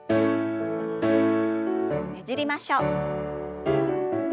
ねじりましょう。